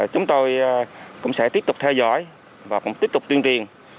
chúng tôi cũng sẽ tiếp tục theo dõi và cũng tiếp tục tuyên truyền